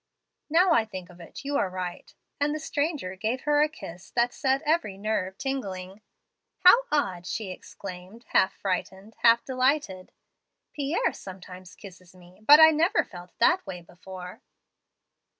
"'Now I think of it, you are right,' and the stranger gave her a kiss that set every nerve tingling. "'How odd!' she exclaimed, half frightened, half delighted. 'Pierre sometimes kisses me, but I never felt that way before.'